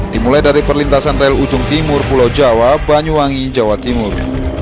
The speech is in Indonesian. dimulai dari perlintasan rel ujung timur pulau jawa banyuwangi jawa timur